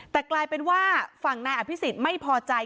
แต่กลายเป็นว่าฝั่งนายอภิษฎไม่พอใจ